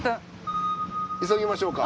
急ぎましょうか。